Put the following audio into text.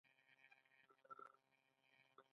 آیا له ګاونډیو هیوادونو ناروغان ورته نه ځي؟